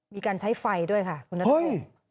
มีการใช้ไฟด้วยค่ะคุณนัทพงศ์